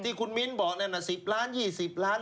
ที่คุณมิ้นบอกนั่นน่ะ๑๐ล้าน๒๐ล้าน